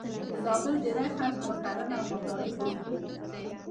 د زابل ډېری خلک په کرنه او مالدارۍ بوخت دي.